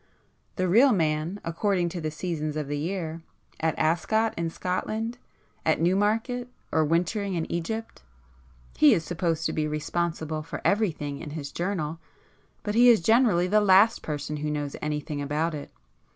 The real man is, according to the seasons of the year, at Ascot, in Scotland, at Newmarket, or wintering in Egypt,—he is supposed to be responsible for everything in his journal, but he is generally the last person who knows anything about it.